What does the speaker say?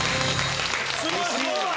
すごい！